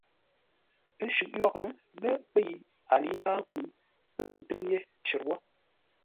Ə́ shʉ̂ʼ yórə́ lə́ pə́ yi, a lə̌i ntáa nkwʉ́, pə́ tô ńtʉ́ŋ yé cər wó.